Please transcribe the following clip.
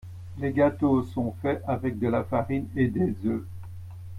Les gâteaux sont fait avec de la farine et des œufs.